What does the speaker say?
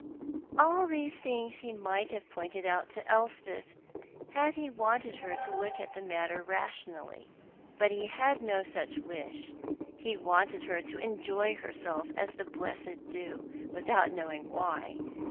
All these things he might have pointed out to Elspeth had he wanted her to look at the matter rationally, but he had no such wish. He wanted her to enjoy herself as the blessed do, without knowing why.